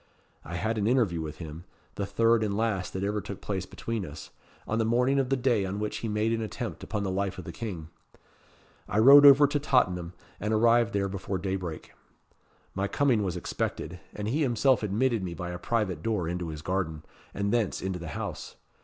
I had an interview with him the third and last that ever took place between us on the morning of the day on which he made an attempt upon the life of the King. I rode over to Tottenham, and arrived there before daybreak. My coming was expected, and he himself admitted me by a private door into his garden, and thence into the house.